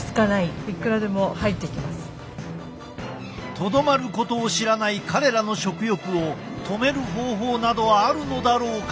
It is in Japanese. とどまることを知らない彼らの食欲を止める方法などあるのだろうか？